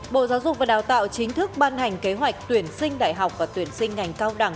bộ giáo dục và đào tạo chính thức ban hành kế hoạch tuyển sinh đại học và tuyển sinh ngành cao đẳng